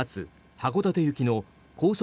函館行きの高速